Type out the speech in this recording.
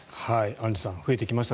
アンジュさん増えてきました